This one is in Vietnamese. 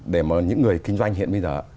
để mà những người kinh doanh hiện bây giờ